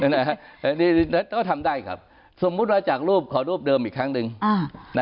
อันนี้ก็ทำได้ครับสมมุติว่าจากรูปขอรูปเดิมอีกครั้งหนึ่ง